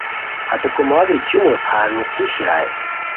ہتے کوماڑی چومور پھارنیسی شیرائے